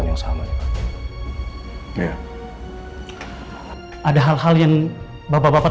sekarang di kol rival siapa nih pak